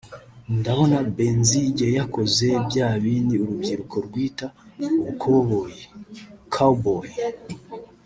ndabona Benzinge yakoze bya bindi urubyiruko rwita ubukoboyi/cowboy